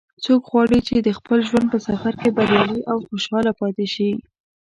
څوک غواړي چې د خپل ژوند په سفر کې بریالی او خوشحاله پاتې شي